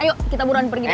ayo kita buruan pergi dulu